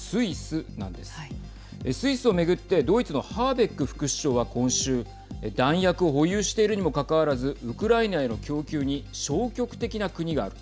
スイスを巡ってドイツのハーベック副首相は今週弾薬を保有しているにもかかわらずウクライナへの供給に消極的な国がある。